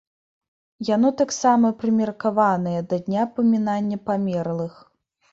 Яно таксама прымеркаванае да дня памінання памерлых.